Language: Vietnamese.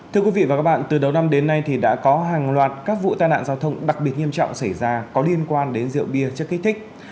thưa quý vị và các bạn từ đầu năm đến nay thì đã có hàng loạt các vụ tai nạn giao thông đặc biệt nghiêm trọng xảy ra có liên quan đến rượu bia chất kích thích